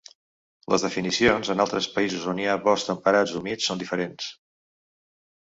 Les definicions en altres països on hi ha boscs temperats humits són diferents.